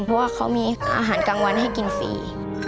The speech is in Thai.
เพราะว่าเขามีอาหารกลางวันให้กินฟรี